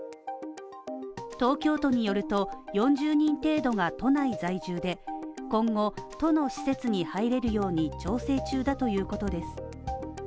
東京都によると、４０人程度が都内在住で今後、都の施設に入れるように調整中だということです。